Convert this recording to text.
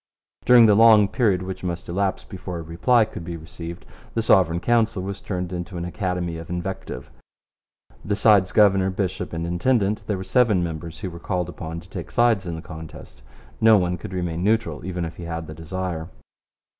During the long period which must elapse before a reply could be received, the Sovereign Council was turned into an academy of invective. Besides governor, bishop, and intendant, there were seven members who were called upon to take sides in the contest. No one could remain neutral even if he had the desire.